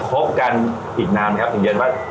พบกันอีกนานไหมครับอีกเดือนพัย